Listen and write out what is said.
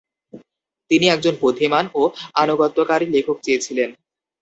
তিনি একজন বুদ্ধিমান ও আনুগত্যকারী লেখক চেয়েছিলেন।